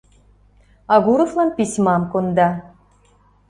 Агуровлан письмам конда.